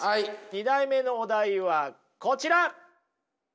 ２枚目のお題はこちら！